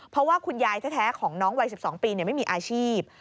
เพราะว่าคุณยายแท้ของน้องวัย๑๒ปีไม่มีอาชีพ